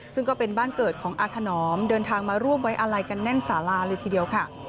ซึ่งก็เป็นบ้านเกิดของอาถนอมเดินทางมาร่วมไว้อาลัยกันแน่นสาราเลยทีเดียวค่ะ